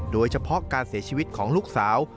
โดยเฉพาะการเสียชีวิตของลูกสาว